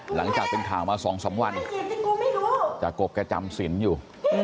หลังจากเป็นข่าวมาสองสามวันจากกบแกจำสินอยู่